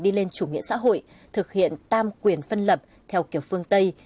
đi lên chủ nghĩa xã hội thực hiện tam quyền phân lập theo kiểu phương tây